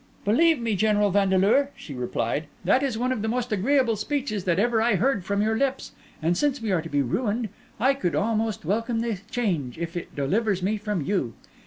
"Believe me, General Vandeleur," she replied, "that is one of the most agreeable speeches that ever I heard from your lips; and since we are to be ruined, I could almost welcome the change, if it delivers me from you.